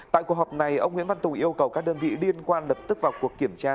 tại cuộc họp này ông nguyễn văn tùng yêu cầu các đơn vị liên quan lập tức vào cuộc kiểm tra